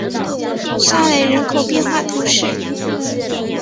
沙雷人口变化图示